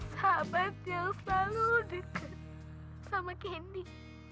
sahabat yang selalu dekat dengan candy